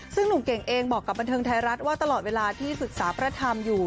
ซึ่งหนุ่มเก่งเองบอกกับบันเทิงไทยรัฐว่าตลอดเวลาที่ศึกษาพระธรรมอยู่